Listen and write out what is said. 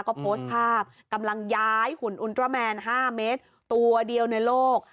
ก็โพสต์ภาพกำลังย้ายหุ่นอุณตราแมน๕เมตรตัวเดียวในโลก